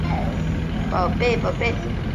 石家营遗址的历史年代为马家窑类型。